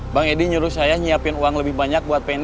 bang edi nyuruh saya nyiapin uang lebih banyak buat pni